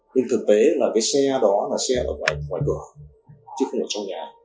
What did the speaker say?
nhưng thực tế là cái xe đó là xe ở ngoài cửa chứ không ở trong nhà